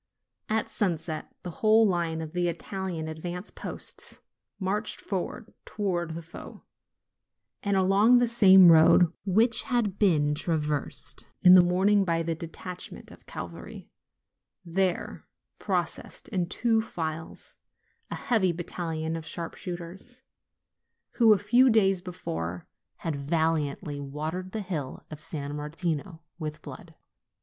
At sunset the whole line of the Italian advance posts marched forward towards the foe ; and along the same road which had been traversed in the morning by the detachment of cavalry, there proceeded, in two files, a heavy battalion of sharpshooters, who, a fewi days before, had valiantly watered the hill of San Mar tino with blood.